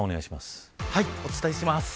お伝えします。